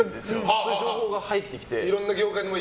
そういう情報が入ってきて。